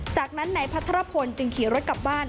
จากนั้นนายพัทรพลจึงขี่รถกลับบ้าน